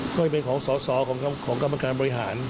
มันเป็นของสอสอของกรรมการบริหาร